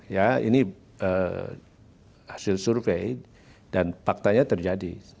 ya ini hasil survei dan faktanya terjadi